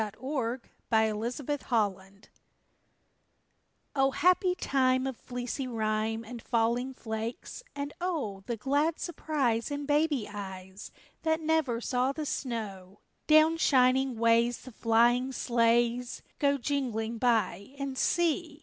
THE FIRST SLEIGH RIDE O happy time of fleecy rime And falling flakes, and O The glad surprise in baby eyes That never saw the snow! Down shining ways the flying sleighs Go jingling by, and see!